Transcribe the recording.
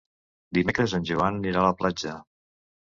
Dimecres en Joan anirà a la platja.